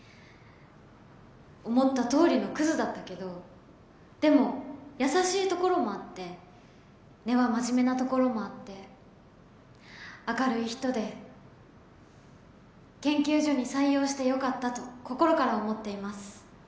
思った通りのクズだったけどでも優しいところもあって根は真面目なところもあって明るい人で研究所に採用してよかったと心から思っています。